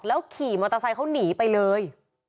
ขี่มอเตอร์ไซค์เขาหนีไปเลย